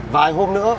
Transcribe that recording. vài hôm nữa